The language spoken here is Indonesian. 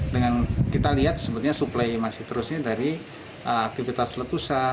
dengan kita lihat sebetulnya suplai masih terusnya dari aktivitas letusan